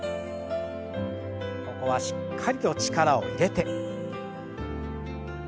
ここはしっかりと力を入れて。